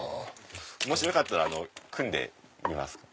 もしよかったら組んでみます？